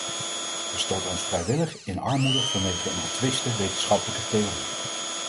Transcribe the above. We storten ons vrijwillig in armoede vanwege een betwiste wetenschappelijke theorie.